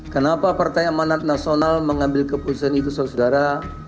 kenapa partai amanat nasional mengambil keputusan itu saudara saudara